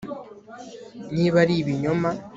niba ari ibinyoma